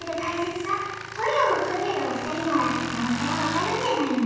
トリオを組んでるお二人ならなおさら分かるんじゃないの？